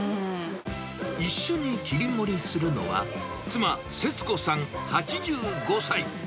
一緒に切り盛りするのは、妻、節子さん８５歳。